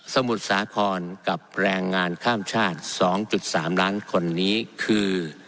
มุทรสาครกับแรงงานข้ามชาติ๒๓ล้านคนนี้คือ